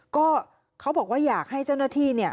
ก็เขาบอกว่าอยากให้เจ้าหน้าที่เนี่ย